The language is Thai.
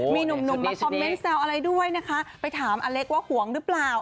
มีหนุ่มมาคอมเมนต์แซวอะไรด้วยนะคะไปถามอเล็กว่าห่วงหรือเปล่า